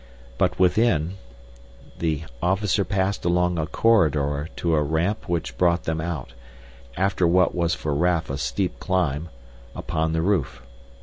But within, the officer passed along a corridor to a ramp which brought them out, after what was for Raf a steep climb, upon the roof.